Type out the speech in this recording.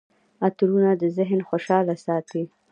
عطرونه د ذهن خوشحاله ساتي.